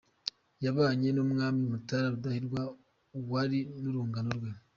Yabanye n’Umwami Mutara Rudahigwa wari n’urungano rwe.